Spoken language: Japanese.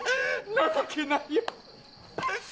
情けないよ。